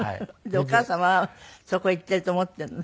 お母様はそこへ行っていると思っているのね？